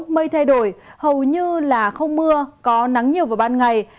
mây thay đổi hầu như là không mưa có nắng nhiều vào ban ngày